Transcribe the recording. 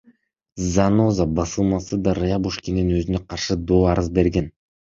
Заноза басылмасы да Рябушкиндин өзүнө каршы доо арыз берген.